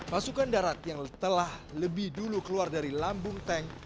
pasukan darat yang telah lebih dulu keluar dari lambung tank